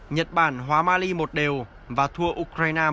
nhật bản hóa mali một hai và thua ukraine một hai